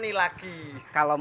garang itu paham